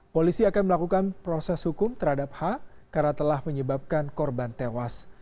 polisi akan melakukan proses hukum terhadap h karena telah menyebabkan korban tewas